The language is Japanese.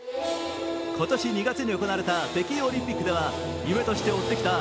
今年２月に行われた北京オリンピックでは夢として追ってきた